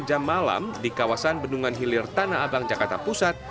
jam malam di kawasan bendungan hilir tanah abang jakarta pusat